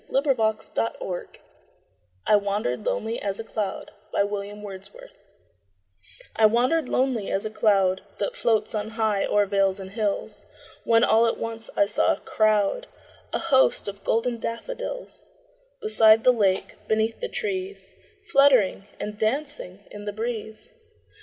William Wordsworth I Wandered Lonely As a Cloud I WANDERED lonely as a cloud That floats on high o'er vales and hills, When all at once I saw a crowd, A host, of golden daffodils; Beside the lake, beneath the trees, Fluttering and dancing in the breeze.